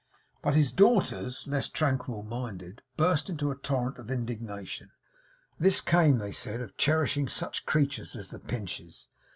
But his daughters, less tranquil minded, burst into a torrent of indignation. This came, they said, of cherishing such creatures as the Pinches.